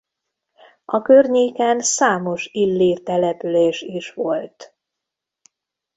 A környéken számos illír település is volt.